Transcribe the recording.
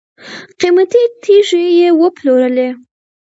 قیمتي تیږي یې وپلورلې.